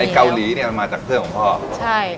เกาหลีเนี่ยมันมาจากเพื่อนของพ่อใช่